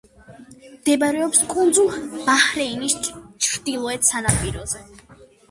მდებარეობს კუნძულ ბაჰრეინის ჩრდილოეთ სანაპიროზე.